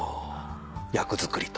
役作りと。